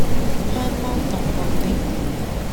香芒凍布丁